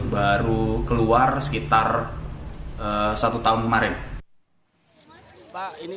baru keluar sekitar satu tahun kemarin